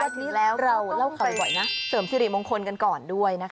วันนี้แล้วเราเล่าคำใหญ่บ่อยนะเสริมสิริมงคลกันก่อนด้วยนะค่ะ